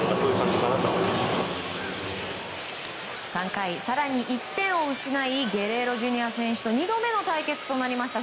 ３回、更に１点を失いゲレーロＪｒ．選手と２度目の対決となりました。